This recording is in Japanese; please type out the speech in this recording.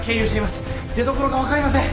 出どころが分かりません！